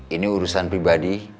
ini urusan pribadi